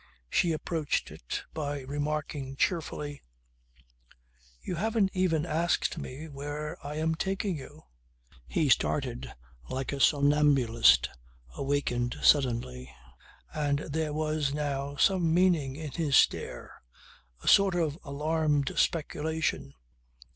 She approached it by remarking cheerfully: "You haven't even asked me where I am taking you." He started like a somnambulist awakened suddenly, and there was now some meaning in his stare; a sort of alarmed speculation.